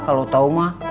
kalau tau mah